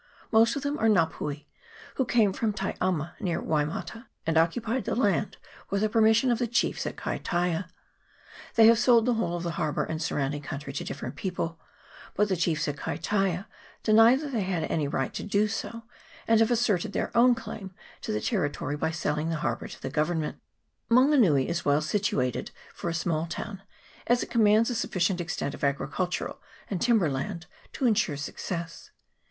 Most of them are Nga pui, who came from Tai ama near Waimata, and occupied the land with the permission of the chiefs at Kai taia. They have sold the whole of the harbour and surrounding country to different people ; but the chiefs at Kaitaia deny that they had any right to do so, and have asserted their own claim to the territory by selling the harbour to Government. Mango nui is well situated for a small town, as it commands a sufficient extent of agricultural and timber land to insure success.